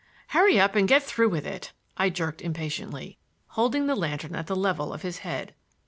"Hurry up and get through with it," I jerked impatiently, holding the lantern at the level of his head.